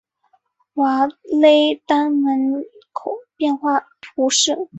瓦勒丹门人口变化图示